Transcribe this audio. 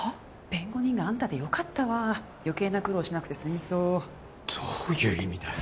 弁護人があんたでよかったわよけいな苦労しなくて済みそうどういう意味だよ